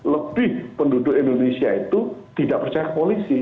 tapi penduduk indonesia itu tidak percaya ke polisi